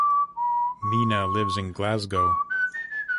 Mina lives in Glasgow.